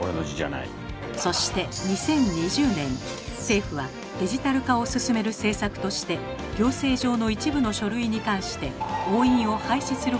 そして２０２０年政府はデジタル化を進める政策として行政上の一部の書類に関して押印を廃止する方針を打ち出し